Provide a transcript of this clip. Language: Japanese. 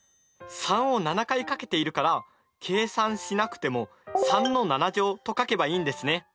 ３を７回かけているから計算しなくても３と書けばいいんですね。